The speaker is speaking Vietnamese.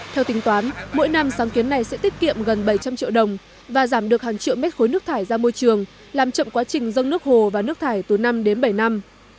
theo tính toán mỗi năm sáng kiến này sẽ tiết kiệm gần bảy trăm linh triệu đồng và giảm được hàng triệu mét khối nước thải ra môi trường làm chậm quá trình dâng nước hồ và nước thải từ năm đến bảy năm